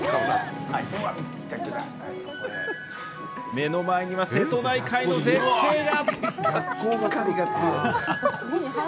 目の前には瀬戸内海の絶景が。